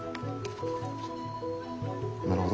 なるほど。